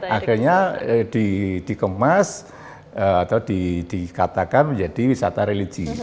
akhirnya dikemas atau dikatakan menjadi wisata religi